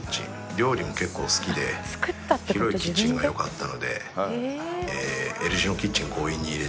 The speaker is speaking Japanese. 料理も結構好きで広いキッチンがよかったのでＬ字のキッチンを強引に入れちゃいました。